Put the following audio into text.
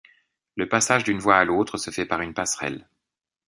Le passage d'une voie à l'autre se fait par une passerelle.